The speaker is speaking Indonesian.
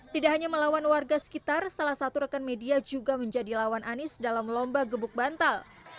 tidak hanya melawan warga sekitar salah satu rekan media juga menjadi lawan anies dalam lomba gebuk bantal